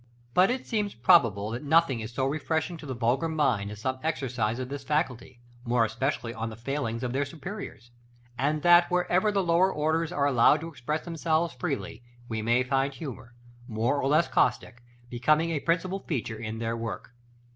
But it seems probable, that nothing is so refreshing to the vulgar mind as some exercise of this faculty, more especially on the failings of their superiors; and that, wherever the lower orders are allowed to express themselves freely, we shall find humor, more or less caustic, becoming a principal feature in their work.